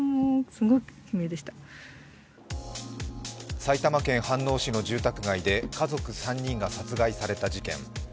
埼玉県飯能市の住宅街で家族３人が殺害された事件。